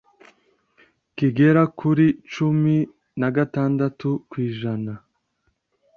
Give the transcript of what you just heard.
kigera kuri cumii nagatandatu kwijana